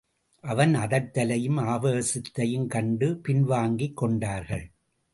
அவன் அதட்டலையும், ஆவேசத்தையும் கண்டு பின் வாங்கிக் கொண்டார்கள்.